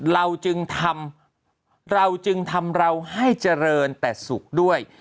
เราจึงทำเราจึงทำเราให้เจริญแต่สุขด้วย